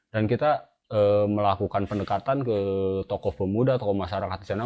dan kita melakukan pendekatan ke tokoh pemuda tokoh masyarakat di sana